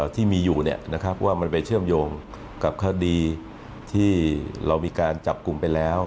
ที่มีอยู่ว่ามันไปเชื่อมโยงกับคดีที่เรามีการจับกลุ่มไปแล้ว